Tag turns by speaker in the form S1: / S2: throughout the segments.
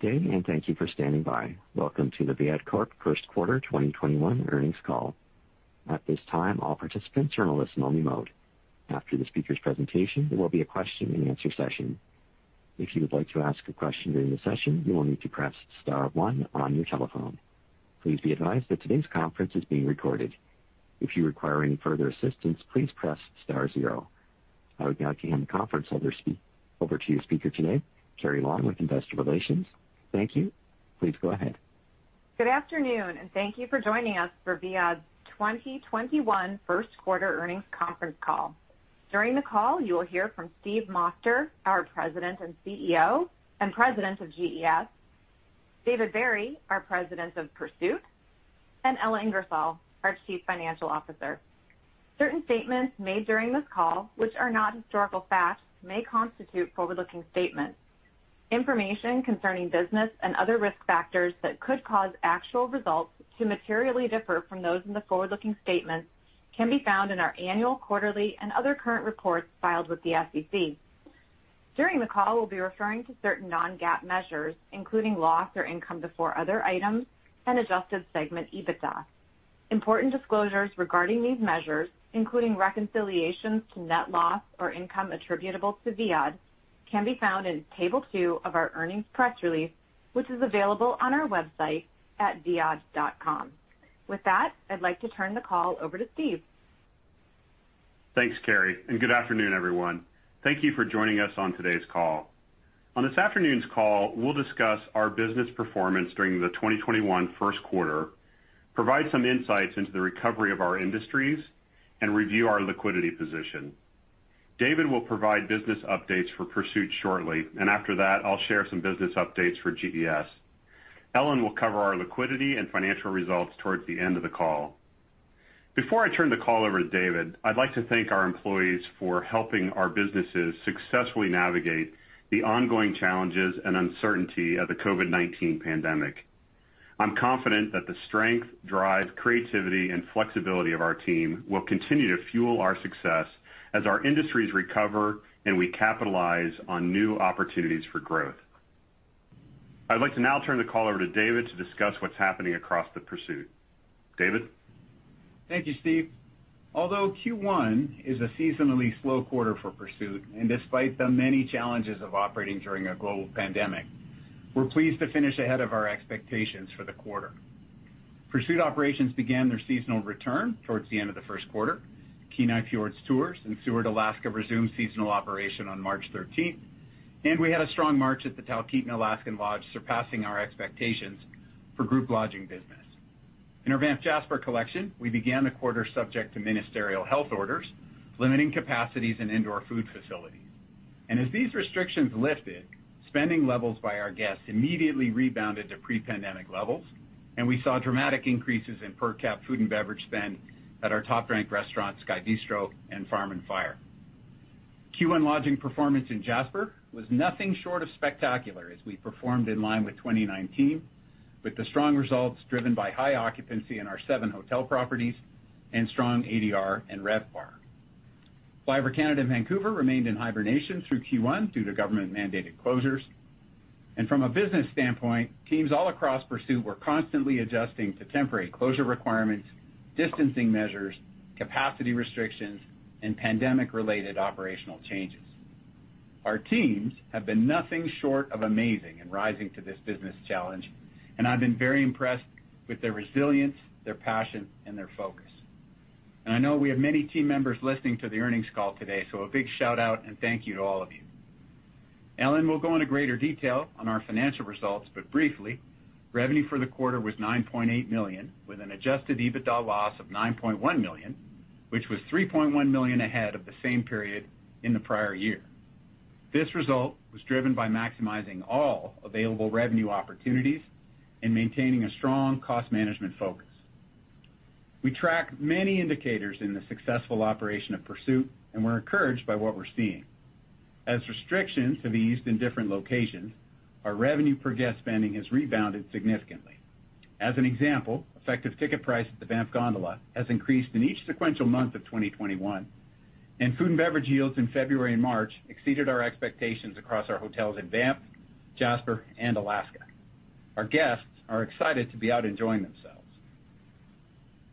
S1: Welcome to the Viad Corp First Quarter 2021 Earnings Call. I would now hand the conference over to your speaker today, Carrie Long with Investor Relations. Thank you. Please go ahead.
S2: Good afternoon, and thank you for joining us for Viad's 2021 first quarter earnings conference call. During the call, you will hear from Steve Moster, our President and CEO and President of GES, David Barry, our President of Pursuit, and Ellen Ingersoll, our Chief Financial Officer. Certain statements made during this call, which are not historical facts, may constitute forward-looking statements. Information concerning business and other risk factors that could cause actual results to materially differ from those in the forward-looking statements can be found in our annual, quarterly, and other current reports filed with the SEC. During the call, we'll be referring to certain non-GAAP measures, including loss or income before other items and adjusted segment EBITDA. Important disclosures regarding these measures, including reconciliations to net loss or income attributable to Viad, can be found in Table 2 of our earnings press release, which is available on our website at viad.com. With that, I'd like to turn the call over to Steve.
S3: Thanks, Carrie. Good afternoon, everyone. Thank you for joining us on today's call. On this afternoon's call, we'll discuss our business performance during the 2021 first quarter, provide some insights into the recovery of our industries, and review our liquidity position. David will provide business updates for Pursuit shortly, and after that, I'll share some business updates for GES. Ellen will cover our liquidity and financial results towards the end of the call. Before I turn the call over to David, I'd like to thank our employees for helping our businesses successfully navigate the ongoing challenges and uncertainty of the COVID-19 pandemic. I'm confident that the strength, drive, creativity, and flexibility of our team will continue to fuel our success as our industries recover and we capitalize on new opportunities for growth. I'd like to now turn the call over to David to discuss what's happening across Pursuit. David?
S4: Thank you, Steve. Although Q1 is a seasonally slow quarter for Pursuit, and despite the many challenges of operating during a global pandemic, we're pleased to finish ahead of our expectations for the quarter. Pursuit operations began their seasonal return towards the end of the first quarter. Kenai Fjords Tours in Seward, Alaska resumed seasonal operation on March 13th, and we had a strong March at the Talkeetna Alaskan Lodge, surpassing our expectations for group lodging business. In our Banff Jasper Collection, we began the quarter subject to ministerial health orders limiting capacities in indoor food facilities. As these restrictions lifted, spending levels by our guests immediately rebounded to pre-pandemic levels, and we saw dramatic increases in per cap food and beverage spend at our top ranked restaurants, Sky Bistro and Farm & Fire. Q1 lodging performance in Jasper was nothing short of spectacular as we performed in line with 2019, with the strong results driven by high occupancy in our seven hotel properties and strong ADR and RevPAR. FlyOver Canada in Vancouver remained in hibernation through Q1 due to government mandated closures. From a business standpoint, teams all across Pursuit were constantly adjusting to temporary closure requirements, distancing measures, capacity restrictions, and pandemic related operational changes. Our teams have been nothing short of amazing in rising to this business challenge, and I've been very impressed with their resilience, their passion, and their focus. I know we have many team members listening to the earnings call today, so a big shout-out and thank you to all of you. Ellen will go into greater detail on our financial results. Briefly, revenue for the quarter was $9.8 million, with an adjusted EBITDA loss of $9.1 million, which was $3.1 million ahead of the same period in the prior year. This result was driven by maximizing all available revenue opportunities and maintaining a strong cost management focus. We track many indicators in the successful operation of Pursuit. We're encouraged by what we're seeing. As restrictions have eased in different locations, our revenue per guest spending has rebounded significantly. As an example, effective ticket price at the Banff Gondola has increased in each sequential month of 2021. Food and beverage yields in February and March exceeded our expectations across our hotels in Banff, Jasper, and Alaska. Our guests are excited to be out enjoying themselves.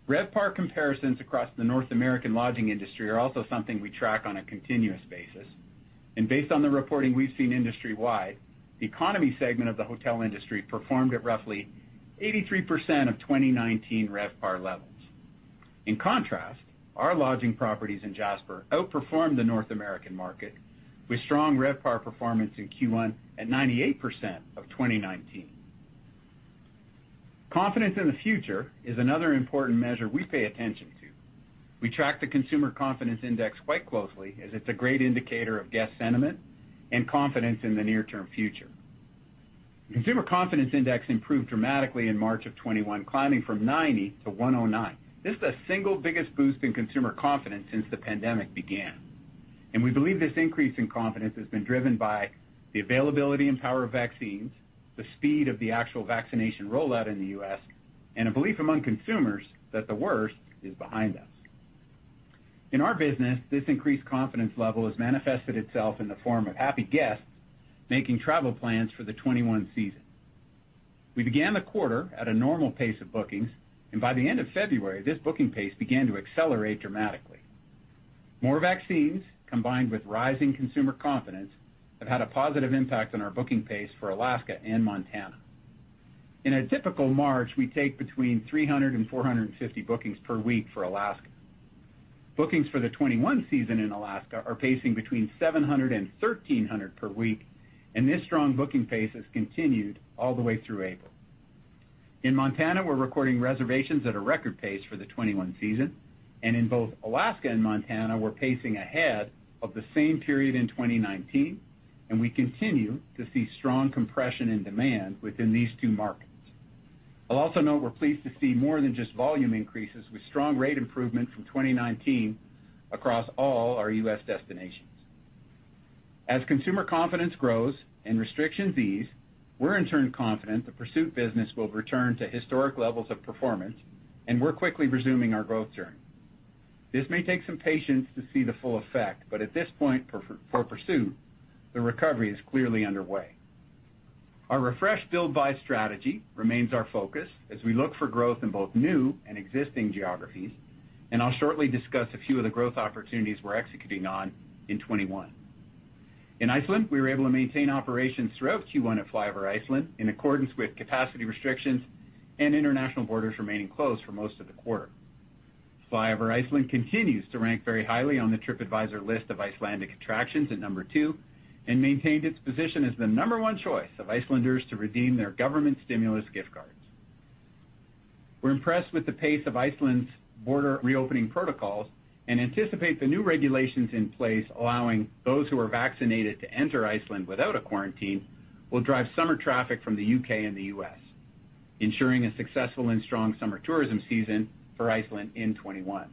S4: RevPAR comparisons across the North American lodging industry are also something we track on a continuous basis. Based on the reporting we've seen industry wide, the economy segment of the hotel industry performed at roughly 83% of 2019 RevPAR levels. In contrast, our lodging properties in Jasper outperformed the North American market with strong RevPAR performance in Q1 at 98% of 2019. Confidence in the future is another important measure we pay attention to. We track the Consumer Confidence Index quite closely as it's a great indicator of guest sentiment and confidence in the near term future. The Consumer Confidence Index improved dramatically in March of 2021, climbing from 90 to 109. This is the single biggest boost in consumer confidence since the pandemic began. We believe this increase in confidence has been driven by the availability and power of vaccines, the speed of the actual vaccination rollout in the U.S., and a belief among consumers that the worst is behind us. In our business, this increased confidence level has manifested itself in the form of happy guests making travel plans for the 2021 season. We began the quarter at a normal pace of bookings, and by the end of February, this booking pace began to accelerate dramatically. More vaccines, combined with rising consumer confidence, have had a positive impact on our booking pace for Alaska and Montana. In a typical March, we take between 300 and 450 bookings per week for Alaska. Bookings for the 2021 season in Alaska are pacing between 700 and 1,300 per week, and this strong booking pace has continued all the way through April. In Montana, we're recording reservations at a record pace for the 2021 season, and in both Alaska and Montana, we're pacing ahead of the same period in 2019, and we continue to see strong compression in demand within these two markets. I'll also note we're pleased to see more than just volume increases with strong rate improvement from 2019 across all our U.S. destinations. As consumer confidence grows and restrictions ease, we're in turn confident the Pursuit business will return to historic levels of performance, and we're quickly resuming our growth journey. This may take some patience to see the full effect, but at this point for Pursuit, the recovery is clearly underway. Our Refresh, Build, Buy strategy remains our focus as we look for growth in both new and existing geographies, and I'll shortly discuss a few of the growth opportunities we're executing on in 2021. In Iceland, we were able to maintain operations throughout Q1 at FlyOver Iceland in accordance with capacity restrictions and international borders remaining closed for most of the quarter. FlyOver Iceland continues to rank very highly on the Tripadvisor list of Icelandic attractions at number two and maintained its position as the number one choice of Icelanders to redeem their government stimulus gift cards. We're impressed with the pace of Iceland's border reopening protocols and anticipate the new regulations in place allowing those who are vaccinated to enter Iceland without a quarantine will drive summer traffic from the U.K. and the U.S., ensuring a successful and strong summer tourism season for Iceland in 2021.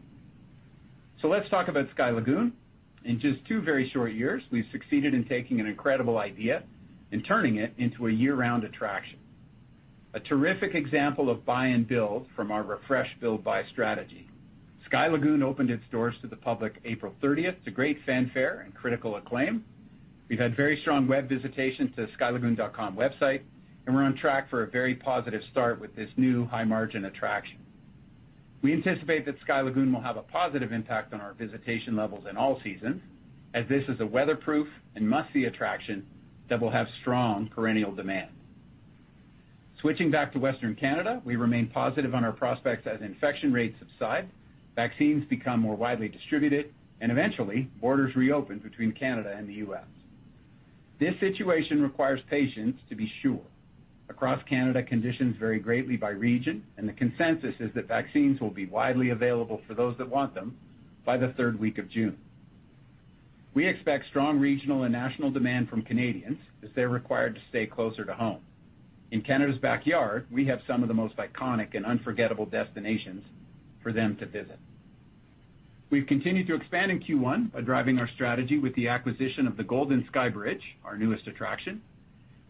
S4: Let's talk about Sky Lagoon. In just two very short years, we've succeeded in taking an incredible idea and turning it into a year-round attraction. A terrific example of buy and build from our Refresh, Build, Buy strategy. Sky Lagoon opened its doors to the public April 30th to great fanfare and critical acclaim. We've had very strong web visitation to skylagoon.com website, we're on track for a very positive start with this new high-margin attraction. We anticipate that Sky Lagoon will have a positive impact on our visitation levels in all seasons, as this is a weatherproof and must-see attraction that will have strong perennial demand. Switching back to Western Canada, we remain positive on our prospects as infection rates subside, vaccines become more widely distributed, eventually, borders reopen between Canada and the U.S. This situation requires patience to be sure. Across Canada, conditions vary greatly by region, the consensus is that vaccines will be widely available for those that want them by the third week of June. We expect strong regional and national demand from Canadians as they're required to stay closer to home. In Canada's backyard, we have some of the most iconic and unforgettable destinations for them to visit. We've continued to expand in Q1 by driving our strategy with the acquisition of the Golden Skybridge, our newest attraction,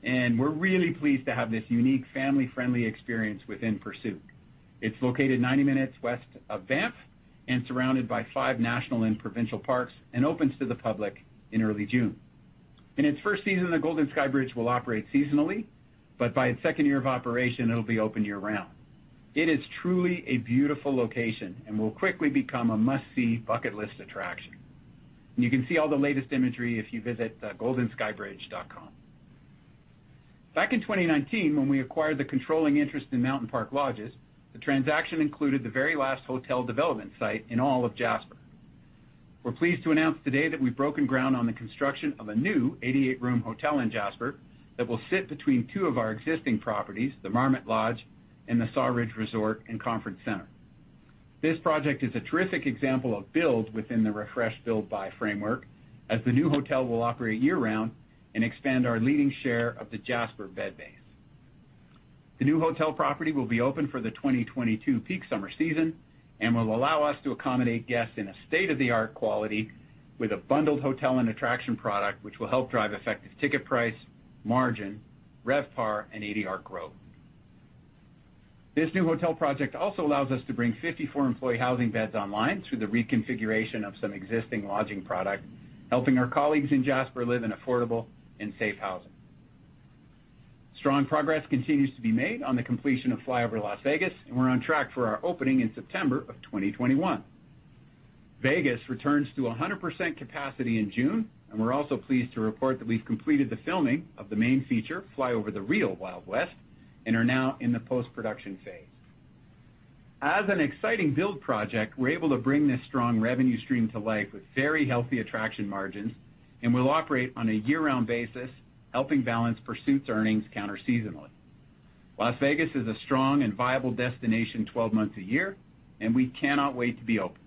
S4: and we're really pleased to have this unique family-friendly experience within Pursuit. It's located 90 minutes west of Banff and surrounded by five national and provincial parks and opens to the public in early June. In its first season, the Golden Skybridge will operate seasonally, but by its second year of operation, it'll be open year-round. It is truly a beautiful location and will quickly become a must-see bucket list attraction. You can see all the latest imagery if you visit goldenskybridge.com. Back in 2019, when we acquired the controlling interest in Mountain Park Lodges, the transaction included the very last hotel development site in all of Jasper. We're pleased to announce today that we've broken ground on the construction of a new 88-room hotel in Jasper that will sit between two of our existing properties, the Marmot Lodge and the Sawridge Inn and Conference Centre. This project is a terrific example of build within the Refresh, Build, Buy framework, as the new hotel will operate year-round and expand our leading share of the Jasper bed base. The new hotel property will be open for the 2022 peak summer season and will allow us to accommodate guests in a state-of-the-art quality with a bundled hotel and attraction product, which will help drive effective ticket price, margin, RevPAR, and ADR growth. This new hotel project also allows us to bring 54 employee housing beds online through the reconfiguration of some existing lodging product, helping our colleagues in Jasper live in affordable and safe housing. Strong progress continues to be made on the completion of FlyOver Las Vegas, and we're on track for our opening in September of 2021. Vegas returns to 100% capacity in June, and we're also pleased to report that we've completed the filming of the main feature, FlyOver The Real Wild West, and are now in the post-production phase. As an exciting build project, we're able to bring this strong revenue stream to life with very healthy attraction margins and will operate on a year-round basis, helping balance Pursuit's earnings counter-seasonally. Las Vegas is a strong and viable destination 12 months a year, and we cannot wait to be open.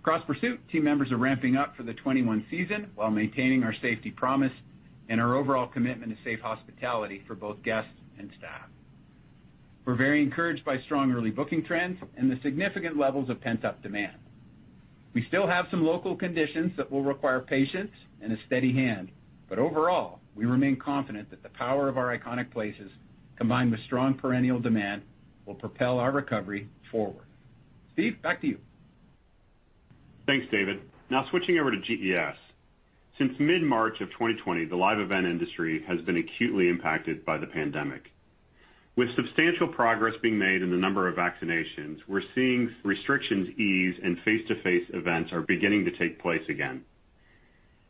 S4: Across Pursuit, team members are ramping up for the 2021 season while maintaining our safety promise and our overall commitment to safe hospitality for both guests and staff. We're very encouraged by strong early booking trends and the significant levels of pent-up demand. We still have some local conditions that will require patience and a steady hand, but overall, we remain confident that the power of our iconic places Combined with strong perennial demand, will propel our recovery forward. Steve, back to you.
S3: Thanks, David. Switching over to GES. Since mid-March of 2020, the live event industry has been acutely impacted by the pandemic. With substantial progress being made in the number of vaccinations, we're seeing restrictions ease, and face-to-face events are beginning to take place again.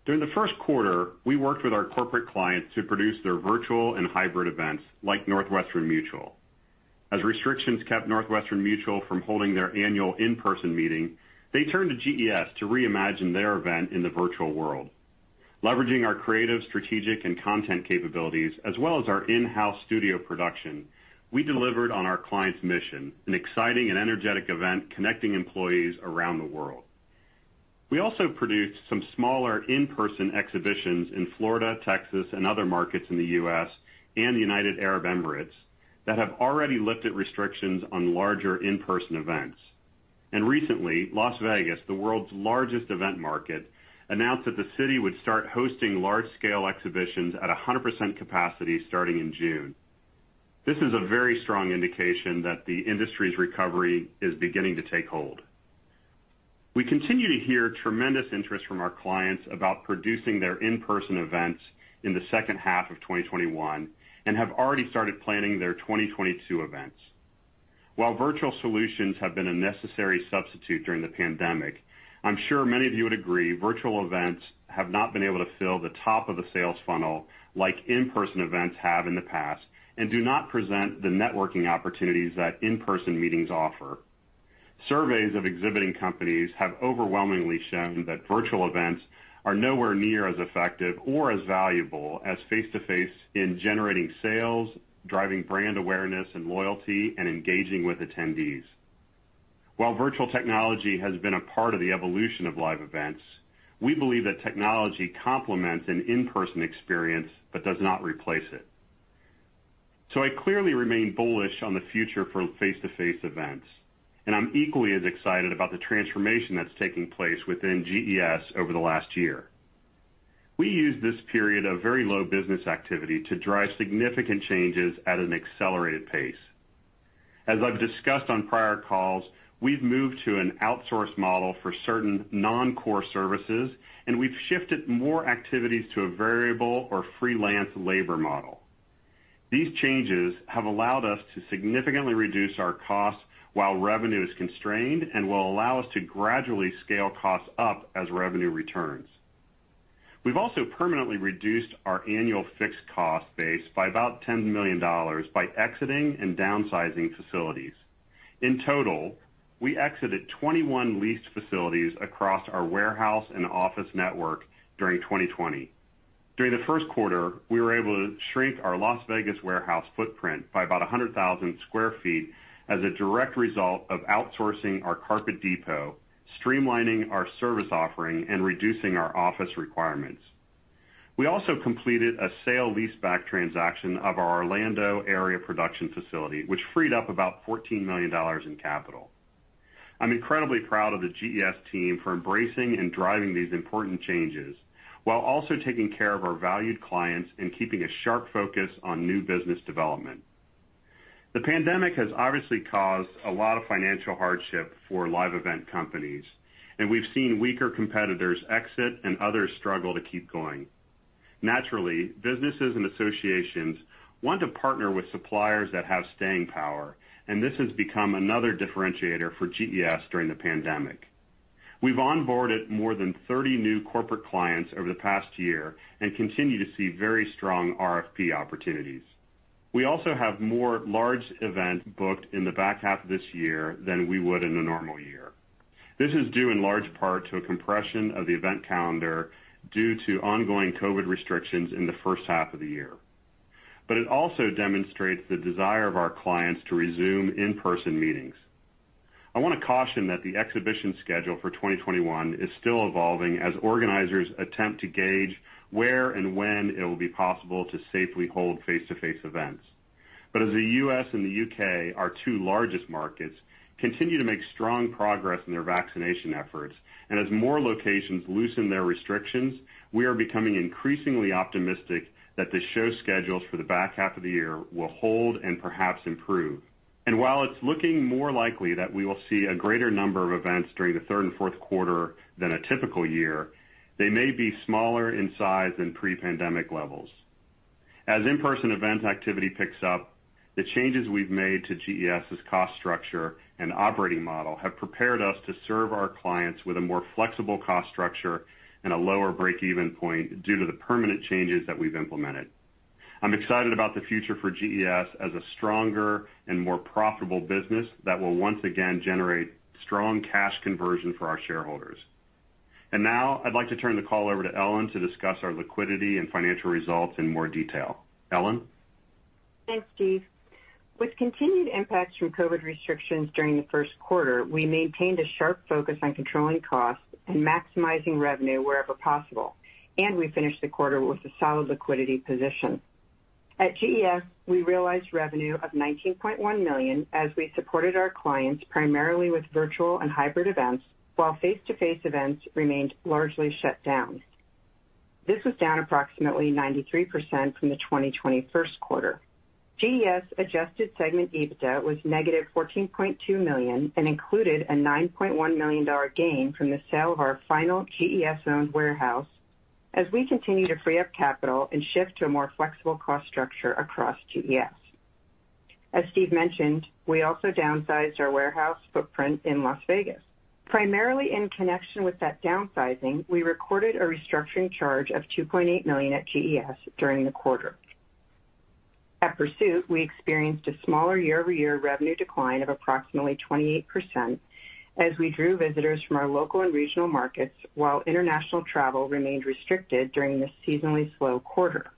S3: During the first quarter, we worked with our corporate clients to produce their virtual and hybrid events, like Northwestern Mutual. Restrictions kept Northwestern Mutual from holding their annual in-person meeting, they turned to GES to reimagine their event in the virtual world. Leveraging our creative, strategic and content capabilities, as well as our in-house studio production, we delivered on our client's mission, an exciting and energetic event connecting employees around the world. We also produced some smaller in-person exhibitions in Florida, Texas and other markets in the U.S. and the United Arab Emirates that have already lifted restrictions on larger in-person events. Recently, Las Vegas, the world's largest event market, announced that the city would start hosting large-scale exhibitions at 100% capacity starting in June. This is a very strong indication that the industry's recovery is beginning to take hold. We continue to hear tremendous interest from our clients about producing their in-person events in the second half of 2021 and have already started planning their 2022 events. While virtual solutions have been a necessary substitute during the pandemic, I'm sure many of you would agree, virtual events have not been able to fill the top of the sales funnel like in-person events have in the past and do not present the networking opportunities that in-person meetings offer. Surveys of exhibiting companies have overwhelmingly shown that virtual events are nowhere near as effective or as valuable as face-to-face in generating sales, driving brand awareness and loyalty, and engaging with attendees. While virtual technology has been a part of the evolution of live events, we believe that technology complements an in-person experience but does not replace it. I clearly remain bullish on the future for face-to-face events, and I'm equally as excited about the transformation that's taking place within GES over the last year. We used this period of very low business activity to drive significant changes at an accelerated pace. As I've discussed on prior calls, we've moved to an outsourced model for certain non-core services, and we've shifted more activities to a variable or freelance labor model. These changes have allowed us to significantly reduce our costs while revenue is constrained and will allow us to gradually scale costs up as revenue returns. We've also permanently reduced our annual fixed cost base by about $10 million by exiting and downsizing facilities. In total, we exited 21 leased facilities across our warehouse and office network during 2020. During the first quarter, we were able to shrink our Las Vegas warehouse footprint by about 100,000 sq ft as a direct result of outsourcing our carpet depot. Streamlining our service offering, and reducing our office requirements. We also completed a sale leaseback transaction of our Orlando area production facility, which freed up about $14 million in capital. I'm incredibly proud of the GES team for embracing and driving these important changes while also taking care of our valued clients and keeping a sharp focus on new business development. The pandemic has obviously caused a lot of financial hardship for live event companies, we've seen weaker competitors exit and others struggle to keep going. Naturally, businesses and associations want to partner with suppliers that have staying power, and this has become another differentiator for GES during the pandemic. We've onboarded more than 30 new corporate clients over the past year and continue to see very strong RFP opportunities. We also have more large event booked in the back half of this year than we would in a normal year. This is due in large part to a compression of the event calendar due to ongoing COVID restrictions in the first half of the year. It also demonstrates the desire of our clients to resume in-person meetings. I want to caution that the exhibition schedule for 2021 is still evolving as organizers attempt to gauge where and when it will be possible to safely hold face-to-face events. As the U.S. and the U.K., our two largest markets, continue to make strong progress in their vaccination efforts and as more locations loosen their restrictions, we are becoming increasingly optimistic that the show schedules for the back half of the year will hold and perhaps improve. While it's looking more likely that we will see a greater number of events during the third and fourth quarter than a typical year, they may be smaller in size than pre-pandemic levels. As in-person event activity picks up, the changes we've made to GES's cost structure and operating model have prepared us to serve our clients with a more flexible cost structure and a lower break-even point due to the permanent changes that we've implemented. I'm excited about the future for GES as a stronger and more profitable business that will once again generate strong cash conversion for our shareholders. Now I'd like to turn the call over to Ellen to discuss our liquidity and financial results in more detail. Ellen?
S5: Thanks, Steve. With continued impacts from COVID restrictions during the first quarter, we maintained a sharp focus on controlling costs and maximizing revenue wherever possible, and we finished the quarter with a solid liquidity position. At GES, we realized revenue of $19.1 million as we supported our clients primarily with virtual and hybrid events while face-to-face events remained largely shut down. This was down approximately 93% from the 2020 first quarter. GES adjusted segment EBITDA was negative $14.2 million and included a $9.1 million gain from the sale of our final GES-owned warehouse as we continue to free up capital and shift to a more flexible cost structure across GES. As Steve mentioned, we also downsized our warehouse footprint in Las Vegas. Primarily in connection with that downsizing, we recorded a restructuring charge of $2.8 million at GES during the quarter. At Pursuit, we experienced a smaller year-over-year revenue decline of approximately 28% as we drew visitors from our local and regional markets while international travel remained restricted during this seasonally slow quarter.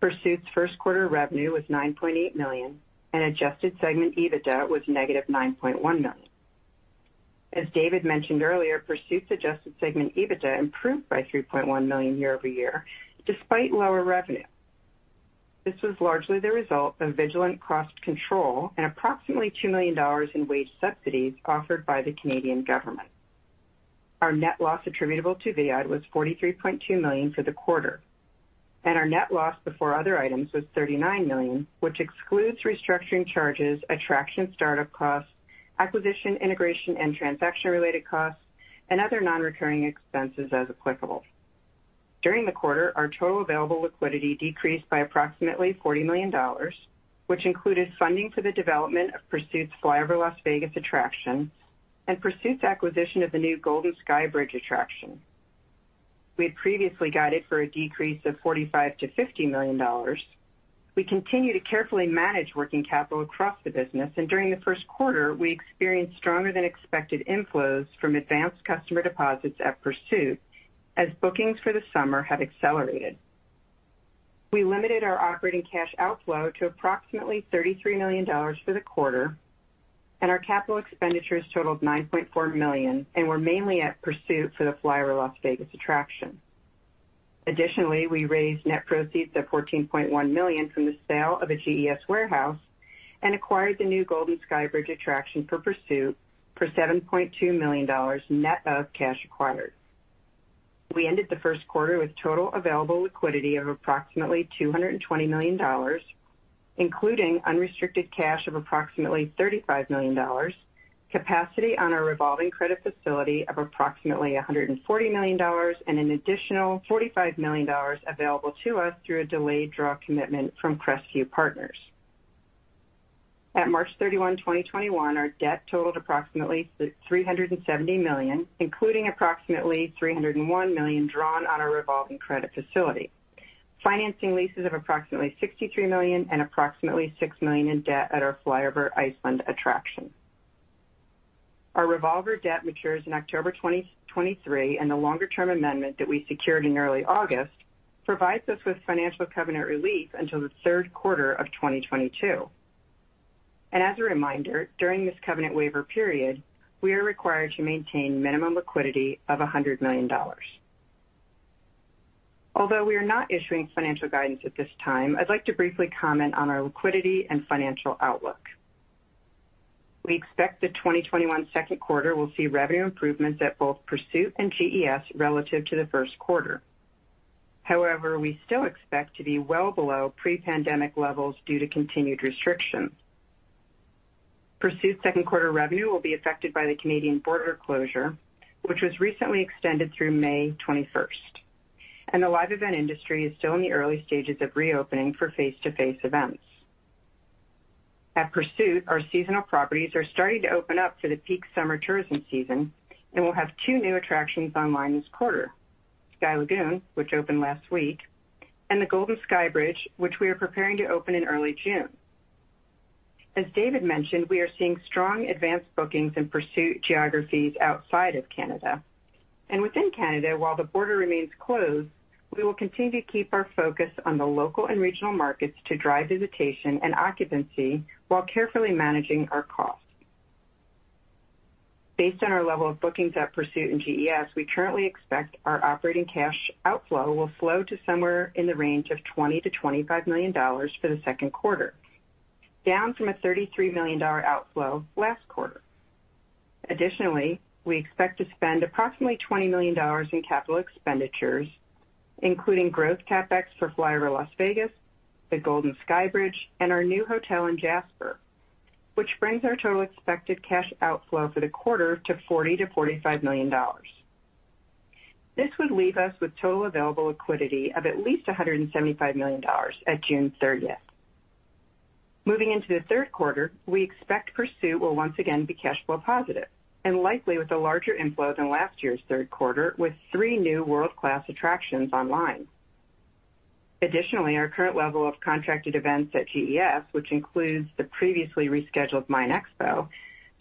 S5: Pursuit's first quarter revenue was $9.8 million and adjusted segment EBITDA was negative $9.1 million. As David mentioned earlier, Pursuit's adjusted segment EBITDA improved by $3.1 million year-over-year despite lower revenue. This was largely the result of vigilant cost control and approximately $2 million in wage subsidies offered by the Canadian government. Our net loss attributable to Viad was $43.2 million for the quarter, and our net loss before other items was $39 million, which excludes restructuring charges, attraction startup costs, acquisition, integration, and transaction-related costs, and other non-recurring expenses as applicable. During the quarter, our total available liquidity decreased by approximately $40 million, which included funding for the development of Pursuit's FlyOver Las Vegas attraction and Pursuit's acquisition of the new Golden Skybridge attraction. We had previously guided for a decrease of $45 million-$50 million. We continue to carefully manage working capital across the business, and during the first quarter, we experienced stronger than expected inflows from advanced customer deposits at Pursuit as bookings for the summer have accelerated. We limited our operating cash outflow to approximately $33 million for the quarter, and our capital expenditures totaled $9.4 million and were mainly at Pursuit for the FlyOver Las Vegas attraction. Additionally, we raised net proceeds of $14.1 million from the sale of a GES warehouse and acquired the new Golden Skybridge attraction for Pursuit for $7.2 million net of cash acquired. We ended the first quarter with total available liquidity of approximately $220 million, including unrestricted cash of approximately $35 million, capacity on our revolving credit facility of approximately $140 million and an additional $45 million available to us through a delayed draw commitment from Crestview Partners. At March 31st, 2021, our debt totaled approximately $370 million, including approximately $301 million drawn on our revolving credit facility. Financing leases of approximately $63 million and approximately $6 million in debt at our FlyOver Iceland attraction. Our revolver debt matures in October 2023, the longer-term amendment that we secured in early August provides us with financial covenant relief until the third quarter of 2022. As a reminder, during this covenant waiver period, we are required to maintain minimum liquidity of $100 million. Although we are not issuing financial guidance at this time, I'd like to briefly comment on our liquidity and financial outlook. We expect the 2021 second quarter will see revenue improvements at both Pursuit and GES relative to the first quarter. However, we still expect to be well below pre-pandemic levels due to continued restrictions. Pursuit's second quarter revenue will be affected by the Canadian border closure, which was recently extended through May 21st. The live event industry is still in the early stages of reopening for face-to-face events. At Pursuit, our seasonal properties are starting to open up for the peak summer tourism season and will have two new attractions online this quarter: Sky Lagoon, which opened last week, and the Golden Skybridge, which we are preparing to open in early June. As David mentioned, we are seeing strong advanced bookings in Pursuit geographies outside of Canada. Within Canada, while the border remains closed, we will continue to keep our focus on the local and regional markets to drive visitation and occupancy while carefully managing our costs. Based on our level of bookings at Pursuit and GES, we currently expect our operating cash outflow will flow to somewhere in the range of $20 million-$25 million for the second quarter, down from a $33 million outflow last quarter. Additionally, we expect to spend approximately $20 million in capital expenditures, including growth CapEx for FlyOver Las Vegas, the Golden Skybridge, and our new hotel in Jasper, which brings our total expected cash outflow for the quarter to $40 million-$45 million. This would leave us with total available liquidity of at least $175 million at June 30th. Moving into the third quarter, we expect Pursuit will once again be cash flow positive and likely with a larger inflow than last year's third quarter with three new world-class attractions online. Our current level of contracted events at GES, which includes the previously rescheduled MINExpo,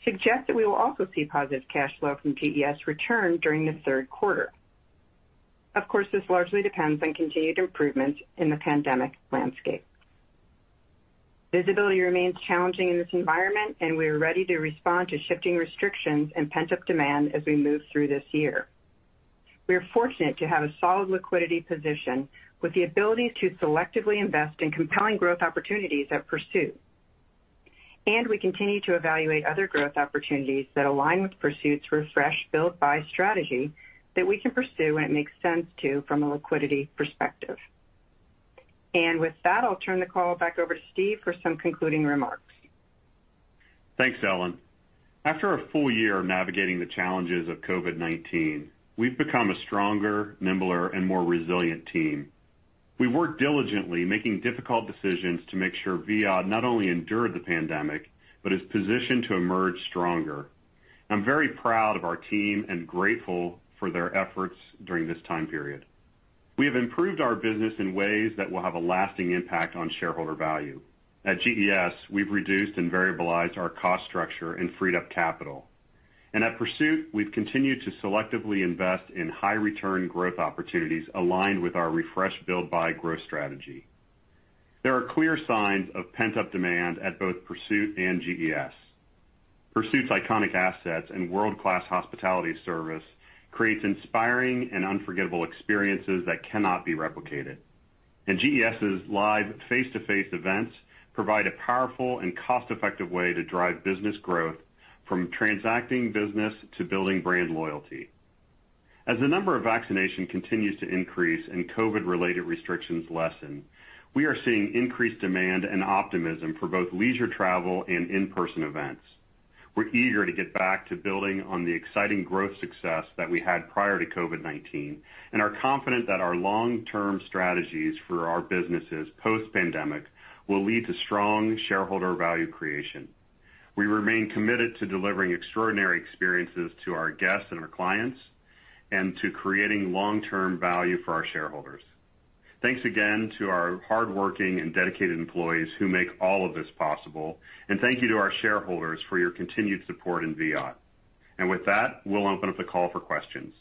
S5: suggests that we will also see positive cash flow from GES return during the third quarter. This largely depends on continued improvements in the pandemic landscape. Visibility remains challenging in this environment, and we are ready to respond to shifting restrictions and pent-up demand as we move through this year. We are fortunate to have a solid liquidity position with the ability to selectively invest in compelling growth opportunities at Pursuit. We continue to evaluate other growth opportunities that align with Pursuit's Refresh, Build, Buy strategy that we can pursue when it makes sense to from a liquidity perspective. With that, I'll turn the call back over to Steve for some concluding remarks.
S3: Thanks, Ellen. After a full year of navigating the challenges of COVID-19, we've become a stronger, nimbler, and more resilient team. We worked diligently making difficult decisions to make sure Viad not only endured the pandemic but is positioned to emerge stronger. I'm very proud of our team and grateful for their efforts during this time period. We have improved our business in ways that will have a lasting impact on shareholder value. At GES, we've reduced and variabilized our cost structure and freed up capital. At Pursuit, we've continued to selectively invest in high return growth opportunities aligned with our Refresh, Build, Buy growth strategy. There are clear signs of pent-up demand at both Pursuit and GES. Pursuit's iconic assets and world-class hospitality service creates inspiring and unforgettable experiences that cannot be replicated. GES' live face-to-face events provide a powerful and cost-effective way to drive business growth from transacting business to building brand loyalty. As the number of vaccinations continues to increase and COVID-related restrictions lessen, we are seeing increased demand and optimism for both leisure travel and in-person events. We're eager to get back to building on the exciting growth success that we had prior to COVID-19 and are confident that our long-term strategies for our businesses post-pandemic will lead to strong shareholder value creation. We remain committed to delivering extraordinary experiences to our guests and our clients and to creating long-term value for our shareholders. Thanks again to our hardworking and dedicated employees who make all of this possible, and thank you to our shareholders for your continued support in Viad. With that, we'll open up the call for questions.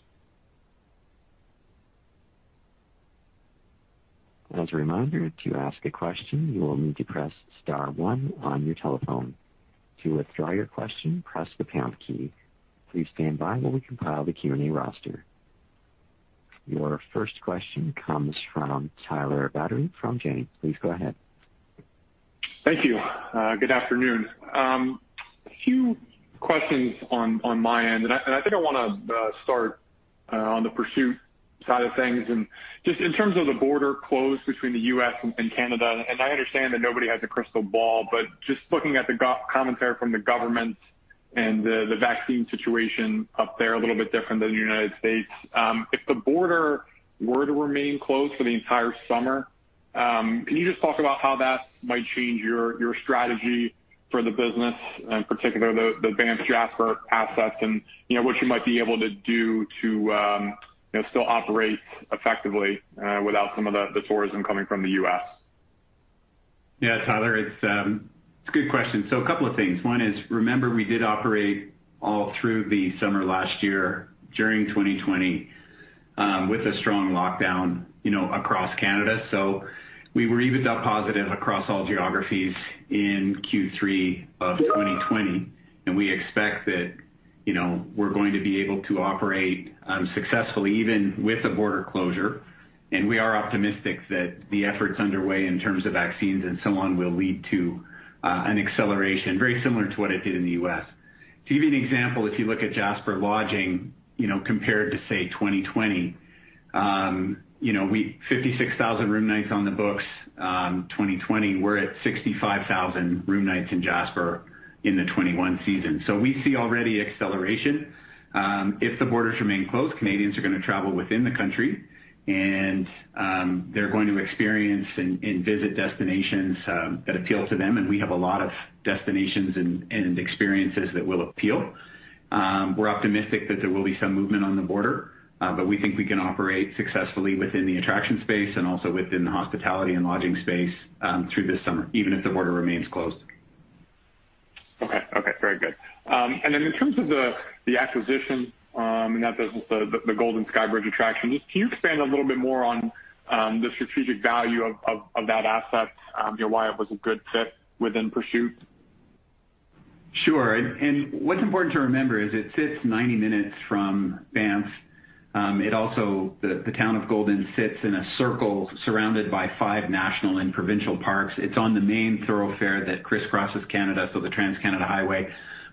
S1: Your first question comes from Tyler Batory from Janney. Please go ahead.
S6: Thank you. Good afternoon. A few questions on my end. I think I want to start on the Pursuit side of things. Just in terms of the border closed between the U.S. and Canada. I understand that nobody has a crystal ball, but just looking at the commentary from the government and the vaccine situation up there, a little bit different than the United States. If the border were to remain closed for the entire summer, can you just talk about how that might change your strategy for the business, in particular the Banff Jasper assets and what you might be able to do to still operate effectively without some of the tourism coming from the U.S.?
S4: Yeah, Tyler, it's a good question. A couple of things. One is, remember, we did operate all through the summer last year during 2020 with a strong lockdown across Canada. We were even positive across all geographies in Q3 of 2020, and we expect that we're going to be able to operate successfully even with a border closure. We are optimistic that the efforts underway in terms of vaccines and so on will lead to an acceleration very similar to what it did in the U.S. To give you an example, if you look at Jasper Lodging compared to, say, 2020, 56,000 room nights on the books. 2020, we're at 65,000 room nights in Jasper in the 2021 season. We see already acceleration. If the borders remain closed, Canadians are going to travel within the country and they're going to experience and visit destinations that appeal to them, and we have a lot of destinations and experiences that will appeal. We're optimistic that there will be some movement on the border, but we think we can operate successfully within the attraction space and also within the hospitality and lodging space through this summer, even if the border remains closed.
S6: Okay. Very good. In terms of the acquisition and the Golden Skybridge attraction, just can you expand a little bit more on the strategic value of that asset, why it was a good fit within Pursuit?
S4: Sure. What's important to remember is it sits 90 minutes from Banff. The town of Golden sits in a circle surrounded by five national and provincial parks. It's on the main thoroughfare that crisscrosses Canada, the Trans-Canada Highway.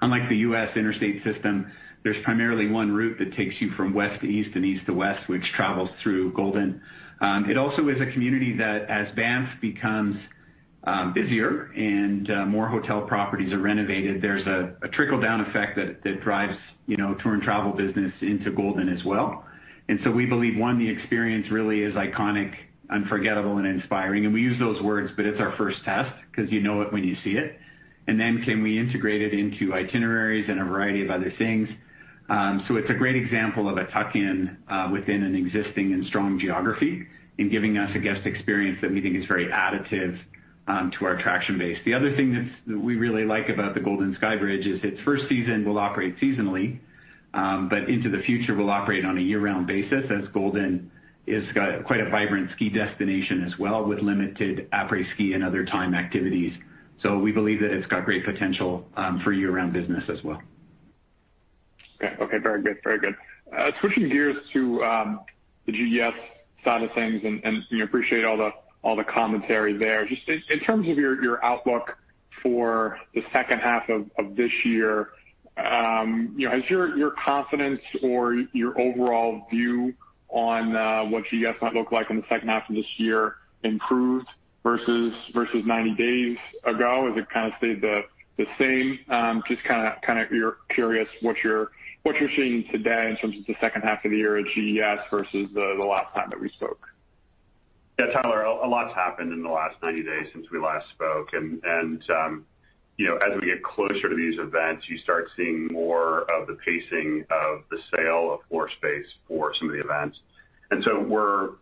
S4: Unlike the U.S. Interstate System, there's primarily one route that takes you from west to east and east to west, which travels through Golden. It also is a community that as Banff becomes busier and more hotel properties are renovated, there's a trickle-down effect that drives tour and travel business into Golden as well. We believe, one, the experience really is iconic, unforgettable, and inspiring. We use those words, but it's our first test because you know it when you see it. Can we integrate it into itineraries and a variety of other things? It's a great example of a tuck-in within an existing and strong geography in giving us a guest experience that we think is very additive to our attraction base. The other thing that we really like about the Golden Skybridge is its first season will operate seasonally. Into the future, we'll operate on a year-round basis as Golden is quite a vibrant ski destination as well, with limited après-ski and other time activities. We believe that it's got great potential for year-round business as well.
S6: Okay. Very good. Switching gears to the GES side of things, we appreciate all the commentary there. Just in terms of your outlook for the second half of this year, has your confidence or your overall view on what GES might look like in the second half of this year improved versus 90 days ago? Has it kind of stayed the same? Just kind of curious what you're seeing today in terms of the second half of the year at GES versus the last time that we spoke.
S3: Yeah, Tyler, a lot's happened in the last 90 days since we last spoke. As we get closer to these events, you start seeing more of the pacing of the sale of floor space for some of the events.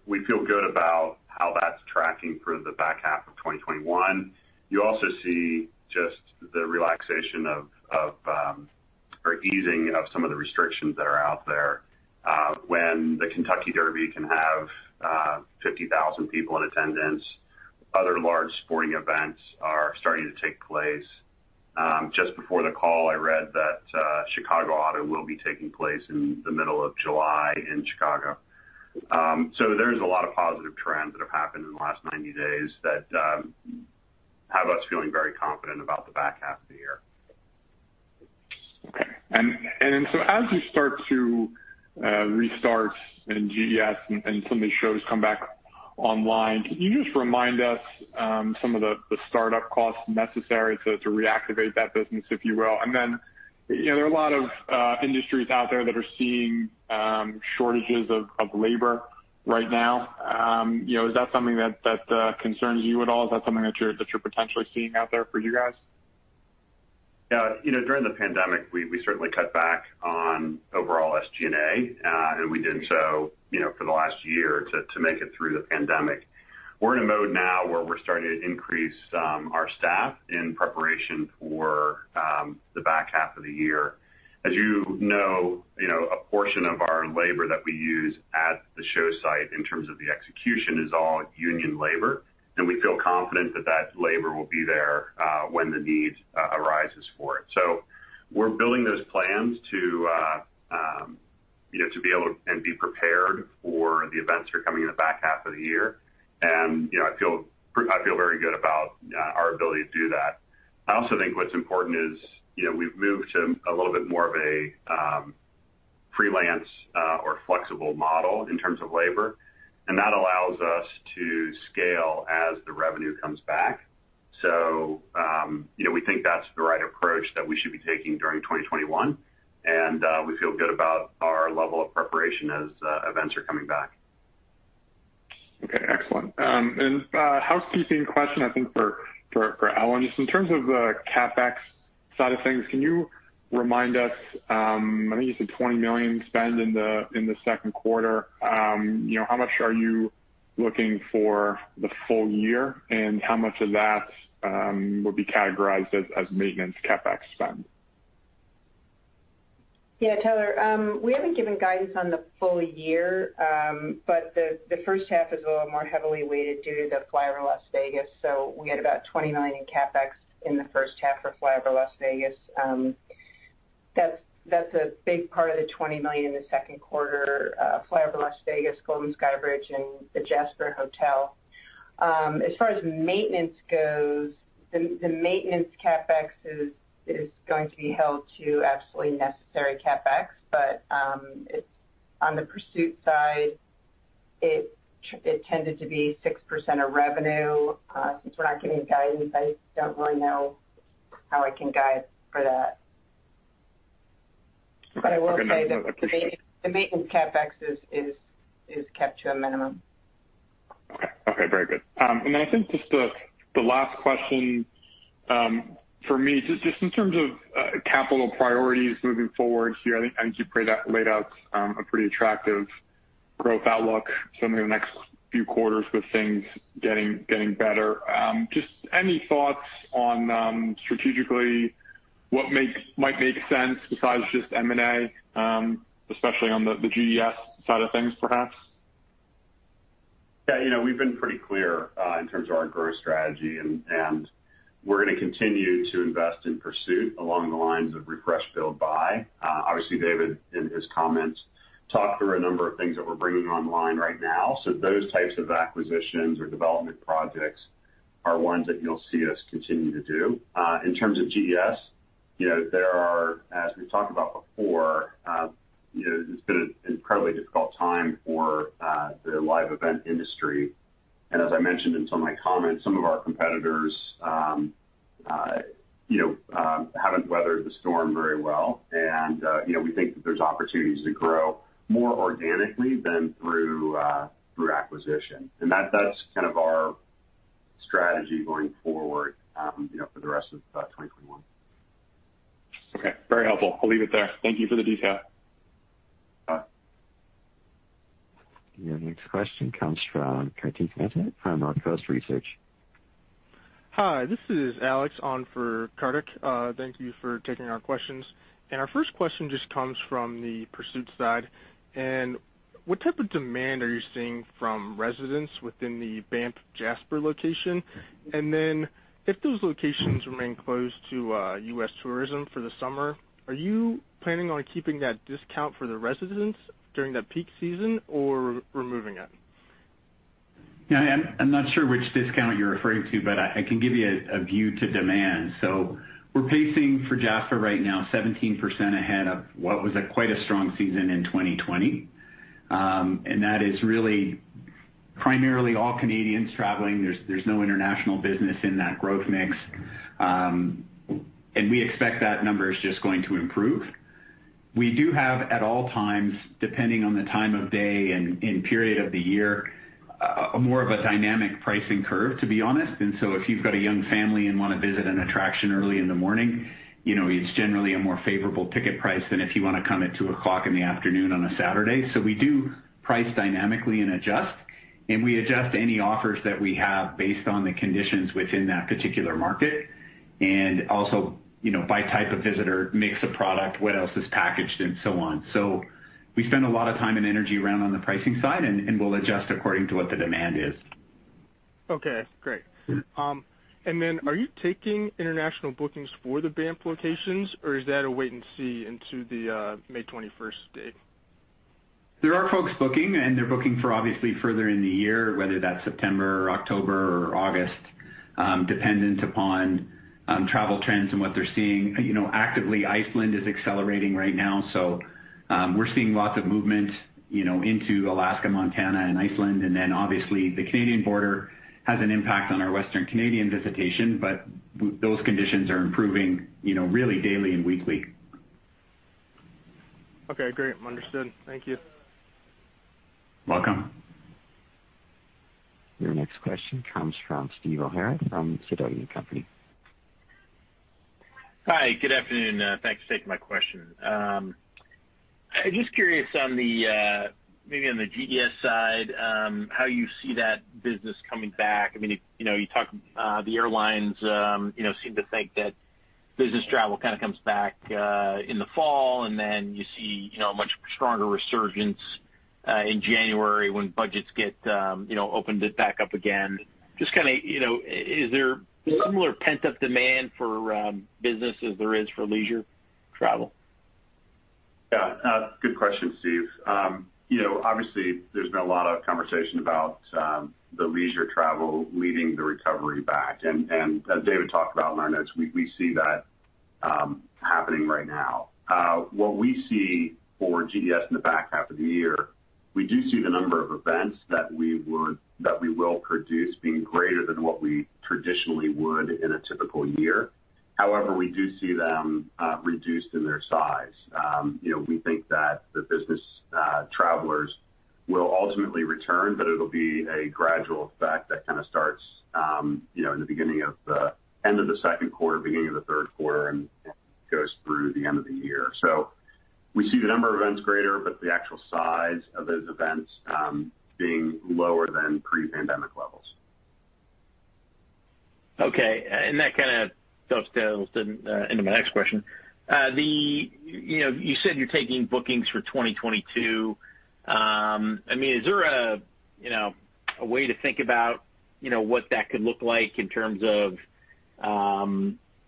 S3: We feel good about how that's tracking for the back half of 2021. You also see just the relaxation of, or easing of some of the restrictions that are out there. When the Kentucky Derby can have 50,000 people in attendance, other large sporting events are starting to take place. Just before the call, I read that Chicago Auto will be taking place in the middle of July in Chicago. There's a lot of positive trends that have happened in the last 90 days that have us feeling very confident about the back half of the year.
S6: Okay. As you start to restart in GES and some of these shows come back online, can you just remind us some of the startup costs necessary to reactivate that business, if you will? There are a lot of industries out there that are seeing shortages of labor right now. Is that something that concerns you at all? Is that something that you're potentially seeing out there for you guys?
S3: Yeah. During the pandemic, we certainly cut back on overall SG&A. We did so for the last year to make it through the pandemic. We're in a mode now where we're starting to increase our staff in preparation for the back half of the year. As you know, a portion of our labor that we use at the show site in terms of the execution is all union labor. We feel confident that that labor will be there when the need arises for it. We're building those plans to be able and be prepared for the events that are coming in the back half of the year. I feel very good about our ability to do that. I also think what's important is, we've moved to a little bit more of a freelance or flexible model in terms of labor, and that allows us to scale as the revenue comes back. We think that's the right approach that we should be taking during 2021, and we feel good about our level of preparation as events are coming back.
S6: Okay. Excellent. A housekeeping question, I think, for Ellen. Just in terms of the CapEx side of things, can you remind us, I think you said $20 million spend in the second quarter. How much are you looking for the full year, and how much of that would be categorized as maintenance CapEx spend?
S5: Yeah, Tyler, we haven't given guidance on the full year, but the first half is a little more heavily weighted due to the FlyOver Las Vegas. We had about $20 million in CapEx in the first half for FlyOver Las Vegas. That's a big part of the $20 million in the second quarter. FlyOver Las Vegas, Golden Skybridge, and the Jasper Hotel. As far as maintenance goes, the maintenance CapEx is going to be held to absolutely necessary CapEx. On the Pursuit side, it tended to be 6% of revenue. Since we're not giving guidance, I don't really know how I can guide for that. I will say that the maintenance CapEx is kept to a minimum.
S6: Okay. Very good. I think just the last question for me, just in terms of capital priorities moving forward here, I think you've laid out a pretty attractive growth outlook some of the next few quarters with things getting better. Just any thoughts on strategically what might make sense besides just M&A, especially on the GES side of things, perhaps?
S3: Yeah. We've been pretty clear in terms of our growth strategy, and we're going to continue to invest in Pursuit along the lines of Refresh, Build, Buy. Obviously, David, in his comments, talked through a number of things that we're bringing online right now. Those types of acquisitions or development projects are ones that you'll see us continue to do. In terms of GES, there are, as we've talked about before, it's been an incredibly difficult time for the live event industry. As I mentioned in some of my comments, some of our competitors haven't weathered the storm very well. We think that there's opportunities to grow more organically than through acquisition. That's kind of our strategy going forward for the rest of 2021.
S6: Okay. Very helpful. I'll leave it there. Thank you for the detail.
S3: Bye.
S1: Your next question comes from Kartik Mehta from Northcoast Research.
S7: Hi, this is Alex on for Kartik. Thank you for taking our questions. Our first question just comes from the Pursuit side. What type of demand are you seeing from residents within the Banff Jasper location? If those locations remain closed to U.S. tourism for the summer, are you planning on keeping that discount for the residents during that peak season or removing it?
S4: Yeah. I'm not sure which discount you're referring to, but I can give you a view to demand. We're pacing for Jasper right now 17% ahead of what was quite a strong season in 2020. That is really primarily all Canadians traveling. There's no international business in that growth mix. We expect that number is just going to improve. We do have, at all times, depending on the time of day and period of the year, more of a dynamic pricing curve, to be honest. If you've got a young family and want to visit an attraction early in the morning, it's generally a more favorable ticket price than if you want to come at 2:00 in the afternoon on a Saturday. We do price dynamically and adjust, and we adjust any offers that we have based on the conditions within that particular market, and also, by type of visitor, mix of product, what else is packaged and so on. We spend a lot of time and energy around on the pricing side, and we'll adjust according to what the demand is.
S7: Okay, great. Are you taking international bookings for the Banff locations, or is that a wait and see into the May 21st date?
S4: There are folks booking. They're booking for obviously further in the year, whether that's September or October or August, dependent upon travel trends and what they're seeing. Actively, Iceland is accelerating right now. We're seeing lots of movement into Alaska, Montana and Iceland. Obviously the Canadian border has an impact on our western Canadian visitation. Those conditions are improving really daily and weekly.
S7: Okay, great. Understood. Thank you.
S4: Welcome.
S1: Your next question comes from Steve O'Hara from Sidoti & Company.
S8: Hi. Good afternoon. Thanks for taking my question. Just curious maybe on the GES side, how you see that business coming back. The airlines seem to think that business travel kind of comes back in the fall, and then you see a much stronger resurgence in January when budgets get opened it back up again. Just kind of, is there similar pent-up demand for business as there is for leisure travel?
S3: Yeah. Good question, Steve. Obviously, there's been a lot of conversation about the leisure travel leading the recovery back. As David talked about in our notes, we see that happening right now. What we see for GES in the back half of the year, we do see the number of events that we will produce being greater than what we traditionally would in a typical year. However, we do see them reduced in their size. We think that the business travelers will ultimately return, but it'll be a gradual effect that kind of starts in the beginning of the end of the second quarter, beginning of the third quarter, and goes through the end of the year. We see the number of events greater, but the actual size of those events being lower than pre-pandemic levels.
S8: Okay. That kind of dovetails into my next question. You said you're taking bookings for 2022. Is there a way to think about what that could look like in terms of,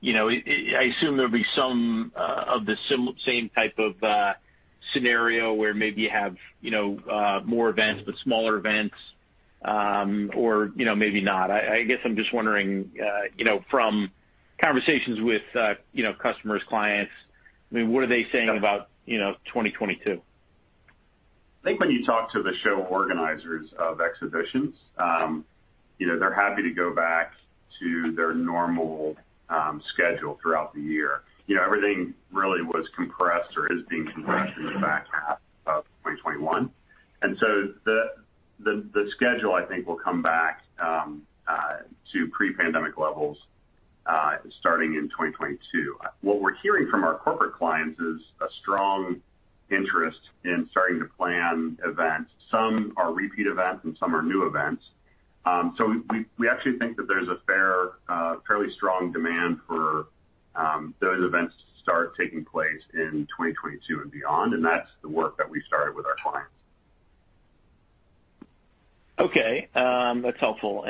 S8: I assume there'll be some of the same type of scenario where maybe you have more events, but smaller events, or maybe not. I guess I'm just wondering, from conversations with customers, clients, what are they saying about 2022?
S3: I think when you talk to the show organizers of exhibitions, they're happy to go back to their normal schedule throughout the year. Everything really was compressed or is being compressed in the back half of 2021. The schedule, I think, will come back to pre-pandemic levels starting in 2022. What we're hearing from our corporate clients is a strong interest in starting to plan events. Some are repeat events and some are new events. We actually think that there's a fairly strong demand for those events to start taking place in 2022 and beyond, and that's the work that we started with our clients.
S8: Okay. That's helpful.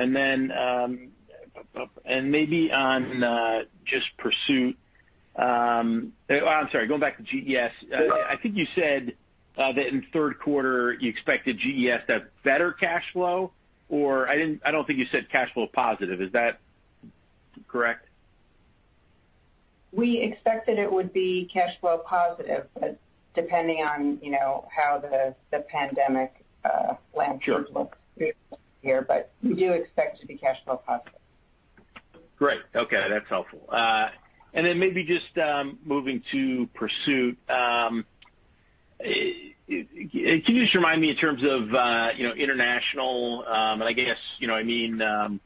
S8: Oh, I'm sorry. Going back to GES. I think you said that in the third quarter you expected GES to have better cash flow, or I don't think you said cash flow positive. Is that correct?
S5: We expected it would be cash flow positive, but depending on how the pandemic lands here. We do expect it to be cash flow positive.
S8: Great. Okay, that's helpful. Maybe just moving to Pursuit. Can you just remind me in terms of international, and I guess I mean other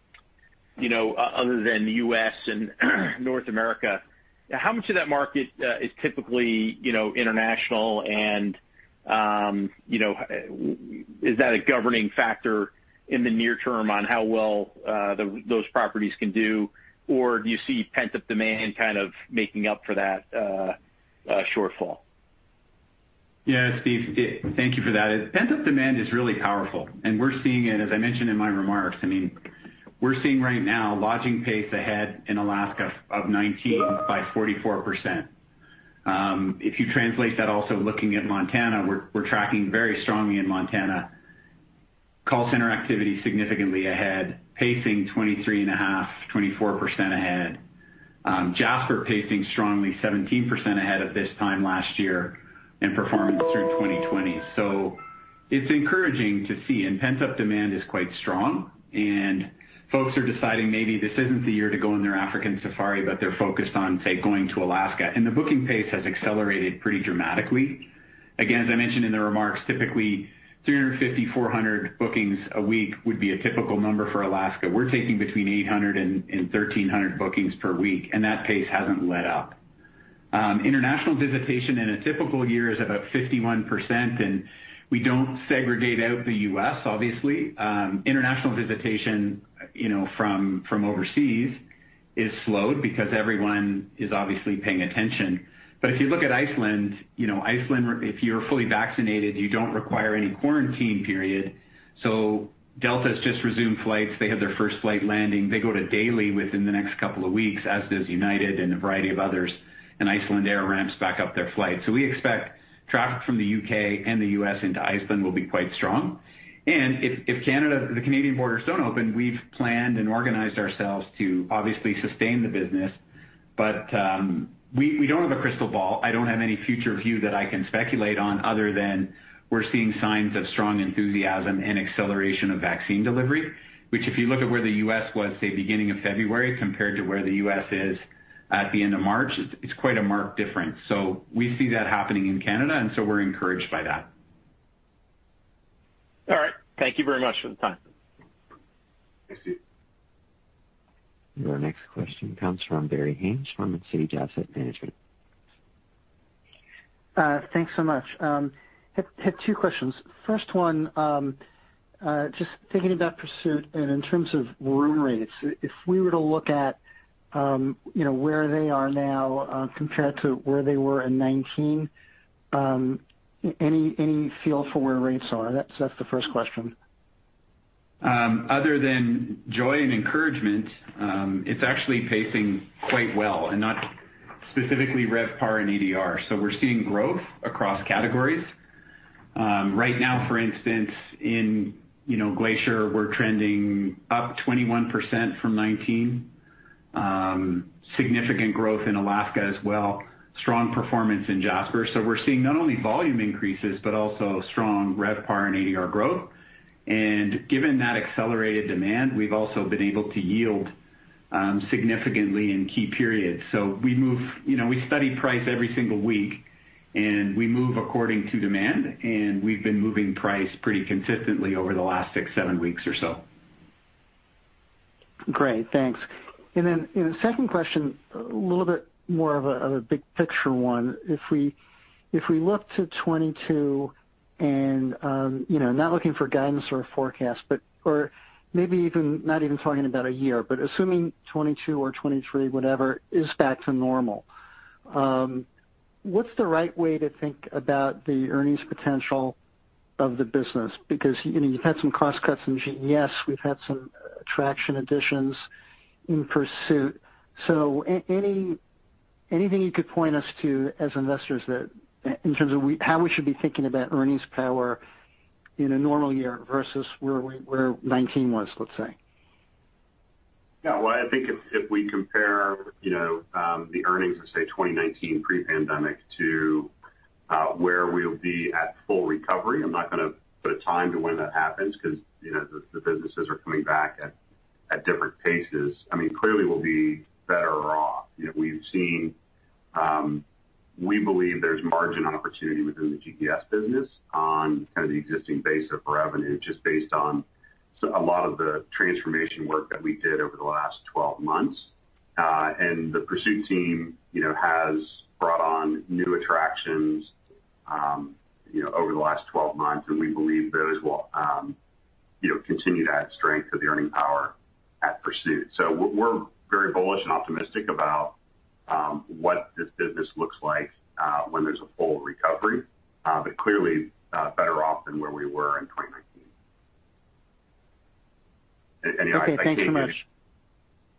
S8: than the U.S. and North America. How much of that market is typically international and is that a governing factor in the near term on how well those properties can do? Do you see pent-up demand kind of making up for that shortfall?
S4: Yeah, Steve, thank you for that. Pent-up demand is really powerful and we're seeing it, as I mentioned in my remarks. We're seeing right now lodging pace ahead in Alaska of 2019 by 44%. If you translate that also looking at Montana, we're tracking very strongly in Montana. Call center activity significantly ahead, pacing 23.5%, 24% ahead. Jasper pacing strongly, 17% ahead of this time last year in performance through 2020. It's encouraging to see. Pent-up demand is quite strong. Folks are deciding maybe this isn't the year to go on their African safari, but they're focused on, say, going to Alaska. The booking pace has accelerated pretty dramatically. Again, as I mentioned in the remarks, typically 350, 400 bookings a week would be a typical number for Alaska. We're taking between 800 and 1,300 bookings per week. That pace hasn't let up. International visitation in a typical year is about 51%. We don't segregate out the U.S., obviously. International visitation from overseas is slowed because everyone is obviously paying attention. If you look at Iceland, if you're fully vaccinated, you don't require any quarantine period. Delta has just resumed flights. They have their first flight landing. They go to daily within the next couple of weeks, as does United and a variety of others. Icelandair ramps back up their flights. We expect traffic from the U.K. and the U.S. into Iceland will be quite strong. If the Canadian borders don't open, we've planned and organized ourselves to obviously sustain the business. We don't have a crystal ball. I don't have any future view that I can speculate on other than we're seeing signs of strong enthusiasm and acceleration of vaccine delivery, which, if you look at where the U.S. was, say, beginning of February compared to where the U.S. is at the end of March, it's quite a marked difference. We see that happening in Canada, and so we're encouraged by that.
S8: All right. Thank you very much for the time.
S3: Thanks, Steve.
S1: Your next question comes from Barry Haimes from Sage Asset Management.
S9: Thanks so much. Had two questions. First one, just thinking about Pursuit and in terms of room rates, if we were to look at where they are now compared to where they were in 2019, any feel for where rates are? That's the first question.
S4: Other than joy and encouragement, it's actually pacing quite well, and not specifically RevPAR and ADR. We're seeing growth across categories. Right now, for instance, in Glacier, we're trending up 21% from 2019. Significant growth in Alaska as well. Strong performance in Jasper. We're seeing not only volume increases, but also strong RevPAR and ADR growth. Given that accelerated demand, we've also been able to yield significantly in key periods. We study price every single week, and we move according to demand, and we've been moving price pretty consistently over the last six, seven weeks or so.
S9: Great. Thanks. Second question, a little bit more of a big picture one. If we look to 2022 and, not looking for guidance or a forecast, or maybe even not even talking about a year, but assuming 2022 or 2023, whatever, is back to normal. What's the right way to think about the earnings potential of the business? You've had some cost cuts in GES. We've had some attraction additions in Pursuit. Anything you could point us to as investors that, in terms of how we should be thinking about earnings power in a normal year versus where 2019 was, let's say?
S3: Well, I think if we compare the earnings of, say, 2019 pre-pandemic to where we'll be at full recovery, I'm not going to put a time to when that happens because the businesses are coming back at different paces. Clearly, we'll be better off. We believe there's margin opportunity within the GES business on kind of the existing base of revenue, just based on a lot of the transformation work that we did over the last 12 months. The Pursuit team has brought on new attractions over the last 12 months, and we believe those will continue to add strength to the earning power at Pursuit. We're very bullish and optimistic about what this business looks like when there's a full recovery. Clearly, better off than where we were in 2019.
S9: Okay. Thanks so much.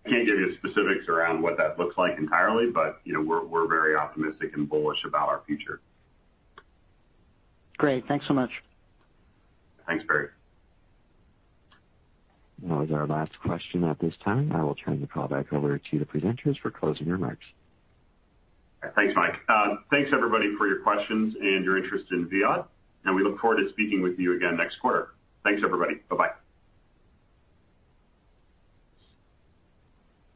S3: I can't give you specifics around what that looks like entirely, but we're very optimistic and bullish about our future.
S9: Great. Thanks so much.
S3: Thanks, Barry.
S1: That was our last question. At this time, I will turn the call back over to the presenters for closing remarks.
S3: Thanks, Mike. Thanks everybody for your questions and your interest in Viad, and we look forward to speaking with you again next quarter. Thanks everybody. Bye-bye.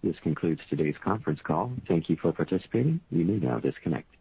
S1: This concludes today's conference call. Thank you for participating. You may now disconnect.